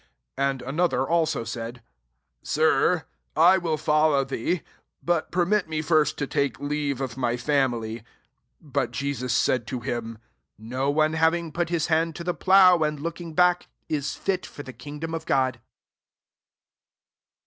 61 And another also said, "Sir, I will follow thee; but permit me first to take leave of my family." 62 But Jesus said to him, No one having put his hand to the plough, and lofting back', is fit'for the* kiwg ' dom of Ood."